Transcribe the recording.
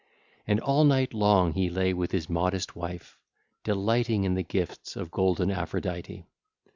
And all night long he lay with his modest wife, delighting in the gifts of golden Aphrodite.